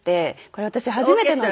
これ私初めての。